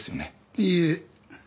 いいえ。